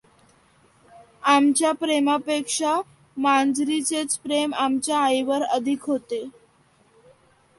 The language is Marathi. आमच्या प्रेमापेक्षा मांजरीचेच प्रेम आमच्या आईवर अधिक होते.